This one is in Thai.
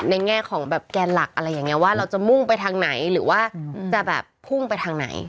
แง่ของแบบแกนหลักอะไรอย่างนี้ว่าเราจะมุ่งไปทางไหนหรือว่าจะแบบพุ่งไปทางไหน